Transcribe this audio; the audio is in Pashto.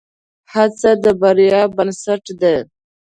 هڅه د بریا بنسټ دی.